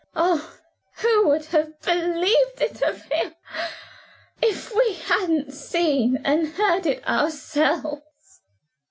Oh, who would have believed it of him, if we hadn't seen and heard it ourselves!"